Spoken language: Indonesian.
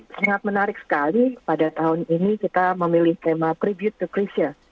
sangat menarik sekali pada tahun ini kita memilih tema prebute to chrysia